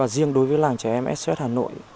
và riêng đối với làng trẻ em sos hà nội